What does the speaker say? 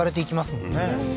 もんね